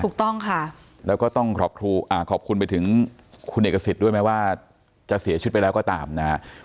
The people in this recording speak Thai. ถูกต้องค่ะแล้วก็ต้องขอบคุณไปถึงคุณเอกสิทธิ์ด้วยแม้ว่าจะเสียชีวิตไปแล้วก็ตามนะครับ